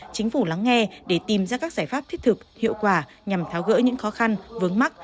chính phủ lắng nghe để tìm ra các giải pháp thiết thực hiệu quả nhằm tháo gỡ những khó khăn vướng mắt